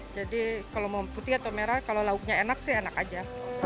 jadi kalau mau putih atau merah kalau lauknya enak sih enak aja